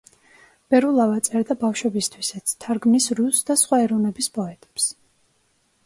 ბერულავა წერდა ბავშვებისთვისაც, თარგმნის რუს და სხვა ეროვნების პოეტებს.